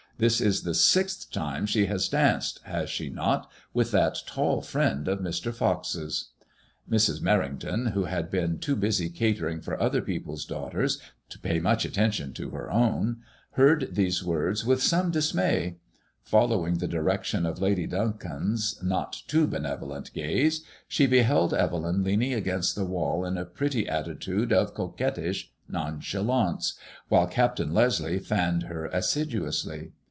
This is the sixth time she has danced, has she 148 MADEMOISELLE IXB. :iot, with that tall friend of Mr. Fox's ?" Mrs. Merringtoiiy who had been too busy catering for other people's daughters to pay much attention to her own, heard these words with some dismay. Following the direction of Lady Duncombe's not too benevolent gaze, she beheld Evelyn leaning against the wall in a pretty atti tude of coquettish nonchalance, while Captain Leslie fanned her assiduously.